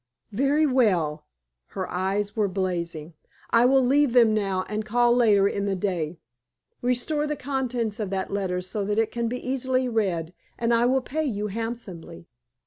"Very well." Her eyes were blazing. "I will leave them now and call later in the day. Restore the contents of that letter so that it can be easily read, and I will pay you handsomely."